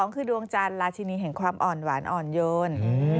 คือดวงจันทร์ราชินีแห่งความอ่อนหวานอ่อนโยน